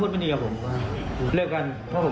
พระคุณที่อยู่ในห้องการรับผู้หญิง